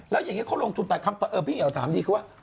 แล้วยังงี้เขาลงทุนไปพี่เฮียวถามดีคือว่า